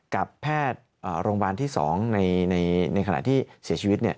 กับแพทย์โรงพยาบาลที่๒ในขณะที่เสียชีวิต